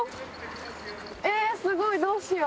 えすごい！どうしよう。